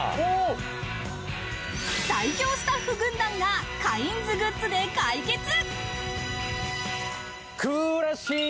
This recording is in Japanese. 最強スタッフ軍団がカインズグッズで解決。